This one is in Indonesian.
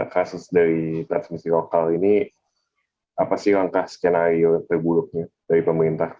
kasus dari transmisi lokal ini apa sih langkah skenario terburuknya dari pemerintah